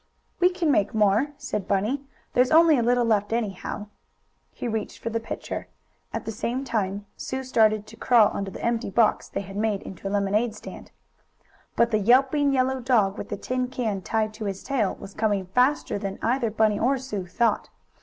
"We can make more," said Bunny. "There's only a little left, anyhow." He reached for the pitcher. At the same time Sue started to crawl under the empty box they had made into a lemonade stand. But the yelping, yellow dog, with the tin can tied to his tail, was coming faster than either Bunny or Sue thought.